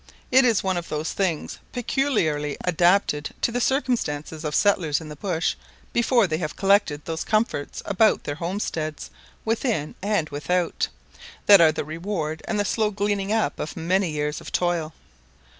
It is one of those things peculiarly adapted to the circumstances of settlers in the bush before they have collected those comforts about their homesteads, within and without, that are the reward and the slow gleaning up of many years of toil.